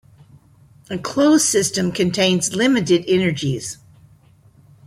A closed system contains limited energies.